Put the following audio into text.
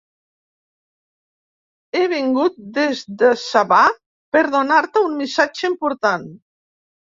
He vingut des de Sabà per donar-te un missatge important.